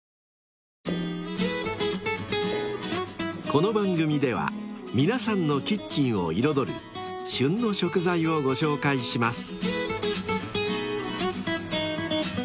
［この番組では皆さんのキッチンを彩る旬の食材をご紹介します］